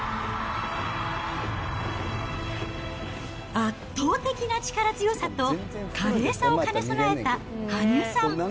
圧倒的な力強さと華麗さを兼ね備えた羽生さん。